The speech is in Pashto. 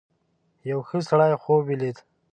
یو ښه سړي خوب ولید.